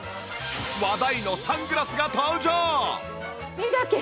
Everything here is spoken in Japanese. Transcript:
話題のサングラスが登場！